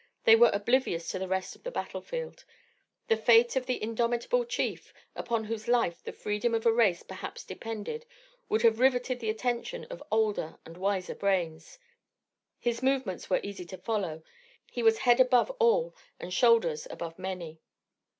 They were oblivious to the rest of the battlefield. The fate of the indomitable chief, upon whose life the freedom of a race perhaps depended, would have riveted the attention of older and wiser brains. His movements were easy to follow; he was head above all and shoulders above many.